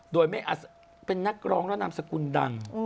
โดยไม่อาจเป็นนักร้องและนามสกุลดัง